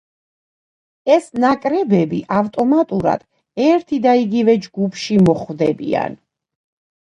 ეს ნაკრებები ავტომატურად ერთი და იგივე ჯგუფში მოხვდებიან.